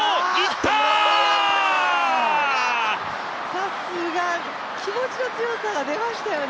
さすが、気持ちの強さが出ましたよね。